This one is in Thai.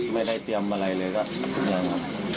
ไม่ได้เตรียมอะไรเลยครับ